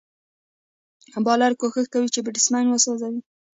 بالر کوښښ کوي، چي بېټسمېن وسوځوي.